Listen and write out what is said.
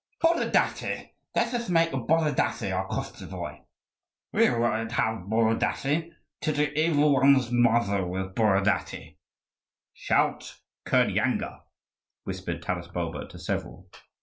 "Borodaty! let us make Borodaty our Koschevoi!" "We won't have Borodaty! To the evil one's mother with Borodaty!" "Shout Kirdyanga!" whispered Taras Bulba to several.